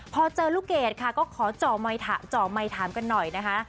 พอเจอลูกเกดค่ะก็ขอเจาะไมค์ถามกันหน่อยนะคะ